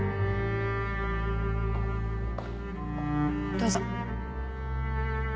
どうぞ。